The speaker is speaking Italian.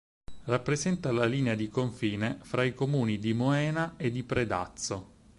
Rappresenta la linea di confine fra i comuni di Moena e di Predazzo.